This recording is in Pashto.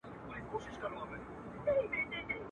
كه د زور تورو وهل د چا سرونه.